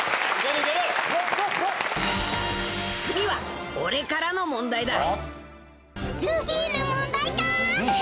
「次は俺からの問題だ」